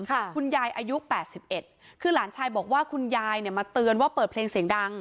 คุณยายอายุแปดสิบเอ็ดคือหลานชายบอกว่าคุณยายเนี่ยมาเตือนว่าเปิดเพลงเสียงดัง